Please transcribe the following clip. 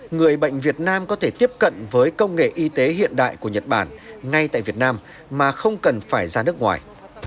người bệnh việt nam có thể tiếp cận với công nghệ y tế hiện đại của nhật bản ngay tại việt nam mà không cần phải ra nước ngoài